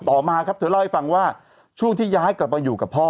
ต่อมาครับเธอเล่าให้ฟังว่าช่วงที่ย้ายกลับมาอยู่กับพ่อ